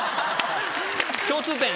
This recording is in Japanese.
共通点。